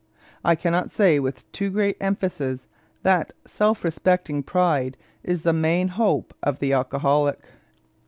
I cannot say with too great emphasis that self respecting pride is the main hope of the alcoholic.